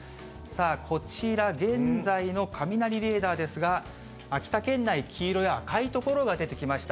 こちら現在の雷レーダーですが、秋田県内、黄色や赤い所が出てきました。